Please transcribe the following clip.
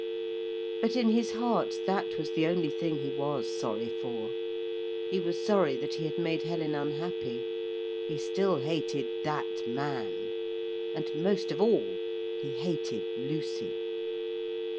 But in his heart that was the only thing he was sorry for. He was sorry that he had made Helen unhappy. He still hated 'that man,' and most of all he hated Lucy.